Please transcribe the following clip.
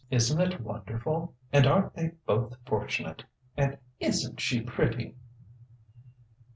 Isn't it wonderful? And aren't they both fortunate? And isn't she pretty?"